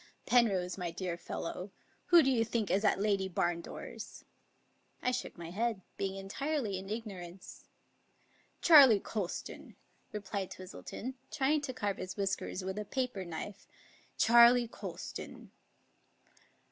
" Penrose, my dear fellow, who do you think is at Lady Barndore's?" I shook my head, being entirely in ignorance. " Charley Colston," replied Twistleton, trying to carve his whiskers with a paper knife. " Charley Colston."